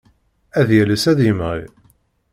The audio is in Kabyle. Ad yales ad d-yemɣi.